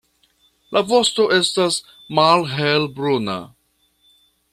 La vosto estas malhelbruna.